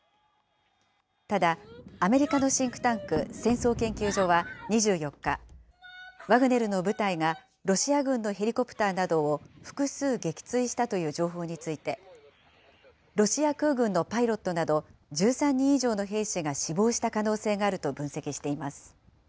ただ、アメリカのシンクタンク戦争研究所は２４日、ワグネルの部隊がロシア軍のヘリコプターなどを複数撃墜したという情報について、ロシア空軍のパイロットなど１３人以上の兵士が死亡した可能性があると分析しています。